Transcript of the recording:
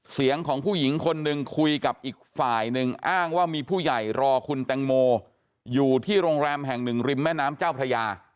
เสียงของผู้หญิงคนหนึ่งคุยกับอีกฝ่ายหนึ่งอ้างว่ามีผู้ใหญ่รอคุณแตงโมอยู่ที่โรงแรมแห่งหนึ่งริมแม่น้ำเจ้าพระยา